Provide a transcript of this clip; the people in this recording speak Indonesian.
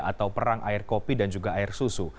atau perang air kopi dan juga air susu